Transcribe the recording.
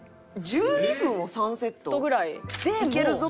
１２分を３セット？いけるぞと？